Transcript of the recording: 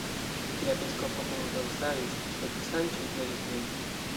La episkopo kontraŭstaris, sed Sanĉo ignoris lin.